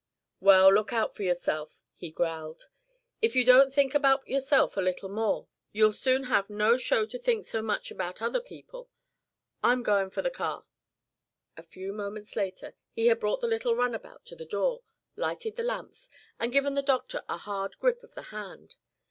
"Well, look out for yourself," he growled. "If you don't think about yourself a little more you'll soon have no show to think so much about other people. I'm goin' for the car." A few moments later he had brought the little runabout to the door, lighted the lamps, and given the doctor a hard grip of the hand.